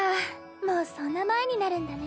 もうそんな前になるんだね。